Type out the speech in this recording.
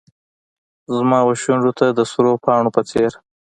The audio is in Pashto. زما وشونډو ته د سرو پاڼو په څیر